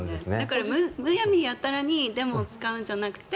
むやみやたらに「でも」を使うんじゃなくて。